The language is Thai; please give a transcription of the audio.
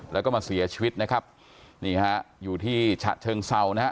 แล้วก็มาเสียชีวิตนะครับนี่ฮะอยู่ที่ฉะเชิงเศร้านะฮะ